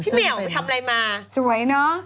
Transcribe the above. พี่มี๋ยาวทำไรมาสวยเนอะ